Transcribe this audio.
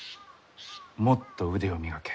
もっと腕を磨け。